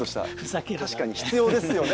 確かに必要ですよね